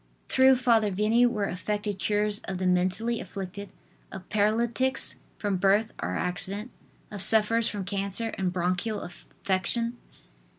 Through Father Vianney were affected cures of the mentally afflicted, of paralytics from birth or accident, of sufferers from cancer and bronchial affection.